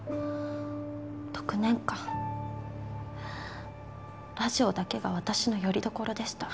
６年間ラジオだけが私のよりどころでした。